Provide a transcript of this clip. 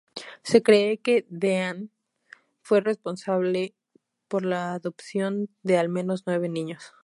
Se cree que Dean fue responsable por la adopción de al menos nueve niños.